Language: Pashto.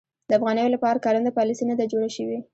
د افغانیو لپاره کارنده پالیسي نه ده جوړه شوې.